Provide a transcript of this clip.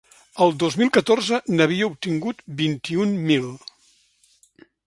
El dos mil catorze n’havia obtinguts vint-i-un mil.